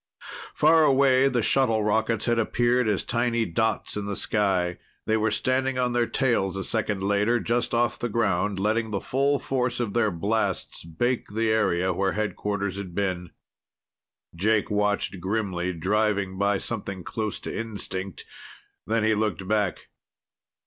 Far away, the shuttle rockets had appeared as tiny dots in the sky. They were standing on their tails a second later, just off the ground, letting the full force of their blasts bake the area where headquarters had been. Jake watched grimly, driving by something close to instinct. Then he looked back.